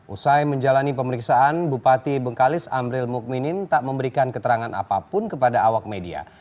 usai menjalani pemeriksaan bupati bengkalis amril mukminin tak memberikan keterangan apapun kepada awak media